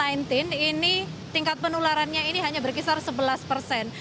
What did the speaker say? ini tingkat penularannya ini hanya berkisar sebelas persen